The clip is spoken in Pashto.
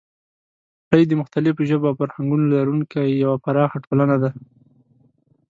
نړۍ د مختلفو ژبو او فرهنګونو لرونکی یوه پراخه ټولنه ده.